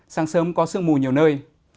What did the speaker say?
sáng sớm có sương mù nhiều nơi